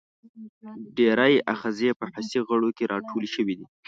ډېری آخذې په حسي غړو کې را ټولې شوي دي.